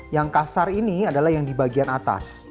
yang kasar ini adalah yang di bagian atas